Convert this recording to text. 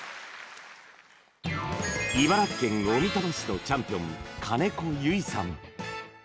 茨城県小美玉市のチャンピオン兼子結さん。